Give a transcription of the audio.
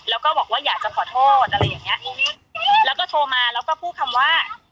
แล้วก็บอกว่าอยากจะขอโทษอะไรอย่างเงี้ยแล้วก็โทรมาแล้วก็พูดคำว่า